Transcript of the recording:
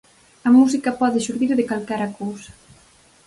A música pode xurdir de calquera cousa.